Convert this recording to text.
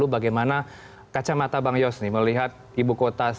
bagaimana kacamata bang yos nih melihat ibu kota